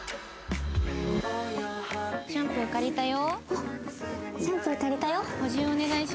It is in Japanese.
シャンプー借りたよ。